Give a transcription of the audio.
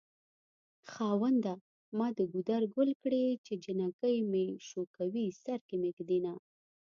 خاونده ما دګودر ګل کړی چې جنکي مې شوکوی سرکې مې ږد ينه